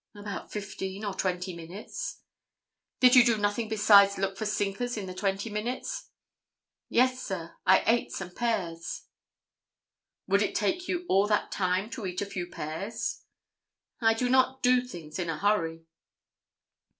"About fifteen or twenty minutes." "Did you do nothing besides look for sinkers in the twenty minutes?" "Yes, sir. I ate some pears." "Would it take you all that time to eat a few pears?" "I do not do things in a hurry."